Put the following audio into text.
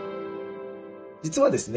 実はですね